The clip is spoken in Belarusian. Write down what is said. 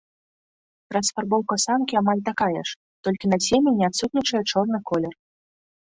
Расфарбоўка самкі амаль такая ж, толькі на цемені адсутнічае чорны колер.